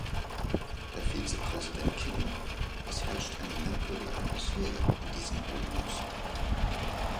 Herr Vizepräsident Kinnock, es herrscht eine merkwürdige Atmosphäre in diesem Hohen Haus.